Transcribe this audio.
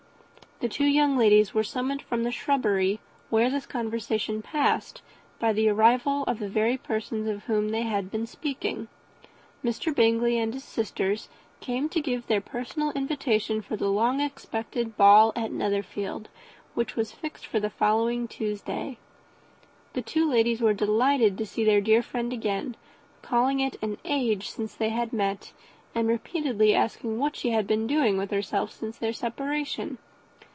The two young ladies were summoned from the shrubbery, where this conversation passed, by the arrival of some of the very persons of whom they had been speaking; Mr. Bingley and his sisters came to give their personal invitation for the long expected ball at Netherfield, which was fixed for the following Tuesday. The two ladies were delighted to see their dear friend again, called it an age since they had met, and repeatedly asked what she had been doing with herself since their separation.